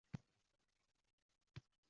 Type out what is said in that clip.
Qancha fikru mushohada.